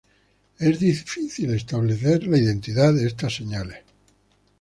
Es difícil establecer la identidad de estas señales.